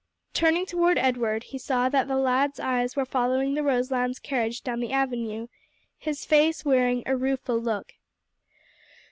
Turning toward Edward, he saw that the lad's eyes were following the Roselands' carriage down the avenue, his face wearing a rueful look.